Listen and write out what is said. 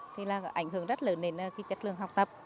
thì là ảnh hưởng rất lớn đến trường